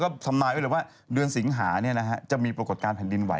เพราะว่าเดือนสิงหาจะมีโปรกฎการแผ่นดินไหว